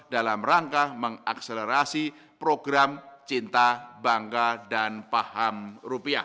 dalam rangka mengakselerasi program cinta bangga dan paham rupiah